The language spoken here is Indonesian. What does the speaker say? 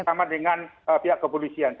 sama dengan pihak kepolisian